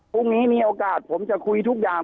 พรุ่งนี้มีโอกาสผมจะคุยทุกอย่าง